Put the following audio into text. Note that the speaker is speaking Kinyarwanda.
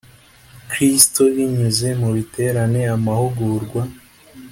Kristo binyuze mu biterane amahugurwa